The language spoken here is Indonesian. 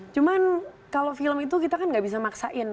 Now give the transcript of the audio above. cuman kalau film itu kita kan gak bisa maksain